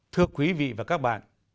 thưa quý vị và các bạn